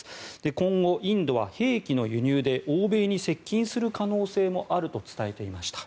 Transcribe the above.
今後、インドは兵器の輸入で欧米に接近する可能性もあると伝えていました。